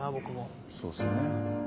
そうっすね。